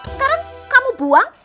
sekarang kamu buang